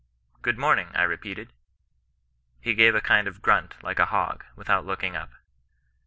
Good morning, I repeated. He gaNre a kind of grunt like a hog, without looking up.